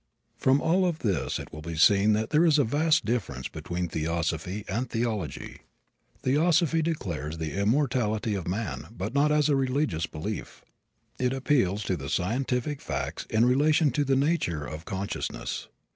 From all of this it will be seen that there is a vast difference between theosophy and theology. Theosophy declares the immortality of man but not as a religious belief. It appeals to the scientific facts in relation to the nature of consciousness.